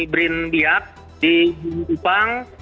berin biak di upang